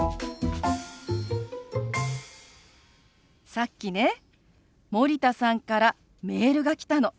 さっきね森田さんからメールが来たの。